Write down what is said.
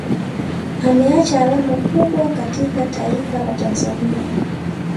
Ameacha alama kubwa katika Taifala la Tanzania